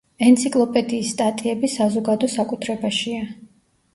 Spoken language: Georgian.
ენციკლოპედიის სტატიები საზოგადო საკუთრებაშია.